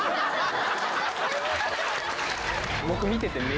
僕見てて。